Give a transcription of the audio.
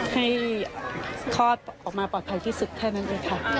ให้ข้อออกมาปลอดภัยที่สุดแค่นั้นเลยครับ